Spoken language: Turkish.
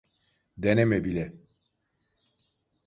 Deneme bile.